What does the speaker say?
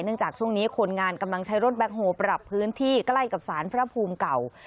จากช่วงนี้คนงานกำลังใช้รถแบ็คโฮลปรับพื้นที่ใกล้กับสารพระภูมิเก่า